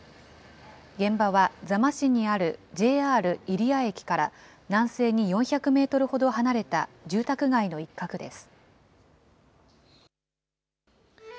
現場は座間市にあるＪＲ入谷駅から南西に４００メートルほど離れた住宅街の一角です。